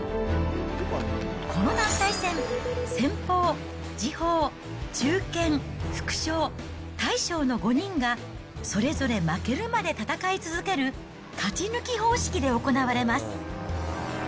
この団体戦、先鋒、次鋒、中堅、副将、大将の５人が、それぞれ負けるまで戦い続ける勝ち抜き方式で行われます。